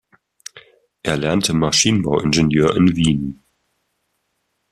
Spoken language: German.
Er lernte Maschinenbau-Ingenieur in Wien.